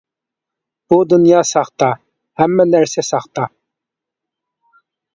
بۇ دۇنيا ساختا، ھەممە نەرسە ساختا!